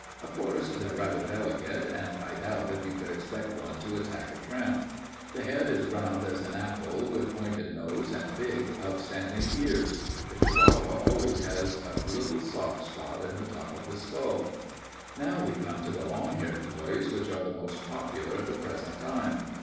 Of course, they're rather delicate, and I doubt if you could expect one to attack a tramp. The head is round as an apple, with pointed nose and big, outstanding ears. The Chihuahua always has a little soft spot in the top of the skull. "Now we come to the long haired toys, which are the most popular at the present time.